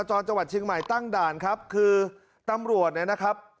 จรจังหวัดเชียงใหม่ตั้งด่านครับคือตำรวจเนี่ยนะครับ